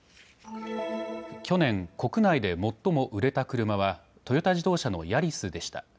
去年、国内で最も売れた車はトヨタ自動車のヤリスでした。